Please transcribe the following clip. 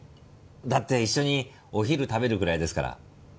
だって一緒にお昼食べるぐらいですから。